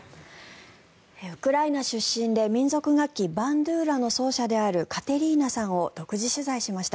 ウクライナ出身で民族楽器バンドゥーラの奏者であるカテリーナさんを独自取材しました。